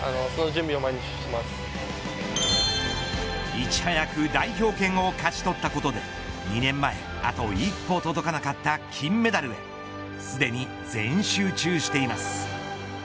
いち早く代表権を勝ち取ったことで２年前、あと一歩届かなかった金メダルへすでに全集中しています。